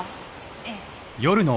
ええ。